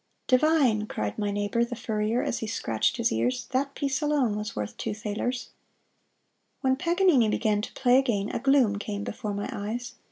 "Divine!" cried my neighbor, the furrier, as he scratched his ears; "that piece alone was worth two thalers." When Paganini began to play again a gloom came before my eyes.